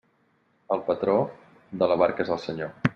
El patró, de la barca és el senyor.